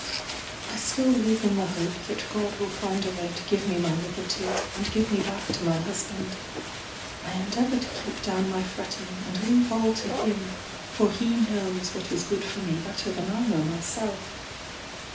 I still live in the hope that God will find a way to give me my liberty, and give me back to my husband. I endeavour to keep down my fretting, and to leave all to Him, for he knows what is good for me better than I know myself.